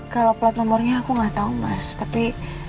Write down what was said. kalau plat nomornya aku nggak tahu mas tapi